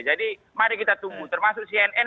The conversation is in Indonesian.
jadi mari kita tunggu termasuk cnn